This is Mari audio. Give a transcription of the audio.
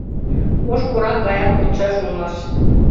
— Ош корак гаяк кодшаш улмаш.